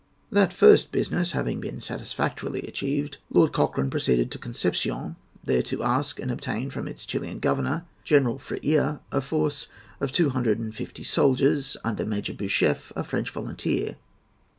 That first business having been satisfactorily achieved, Lord Cochrane proceeded to Concepcion, there to ask and obtain from its Chilian governor, General Freire, a force of two hundred and fifty soldiers, under Major Beauchef, a French volunteer.